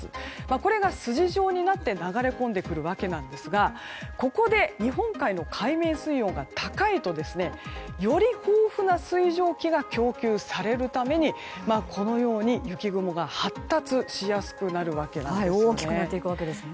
これが筋状になって流れ込んでくるわけですがここで日本海の海面水温が高いとより豊富な水蒸気が供給されるためにこのように、雪雲が発達しやすくなるわけなんですね。